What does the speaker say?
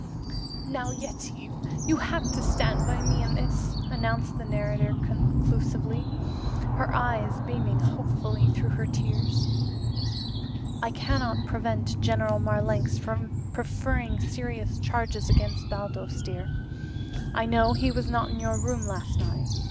"Now, Yetive, you have to stand by me in this," announced the narrator conclusively, her eyes beaming hopefully through her tears. "I cannot prevent General Marlanx from preferring serious charges against Baldos, dear. I know he was not in your room last night.